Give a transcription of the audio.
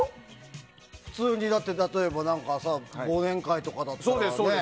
普通に忘年会とかだったらね。